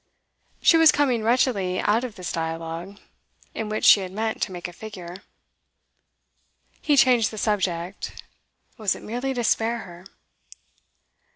She was coming wretchedly out of this dialogue, in which she had meant to make a figure. He changed the subject; was it merely to spare her?